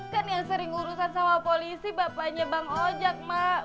kan yang sering urusan sama polisi bapaknya bang ojek ma